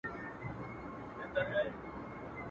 وچ لانده بوټي يې ټوله سوځوله.